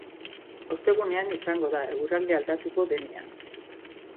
Ostegunean izango da eguraldia aldatuko denean.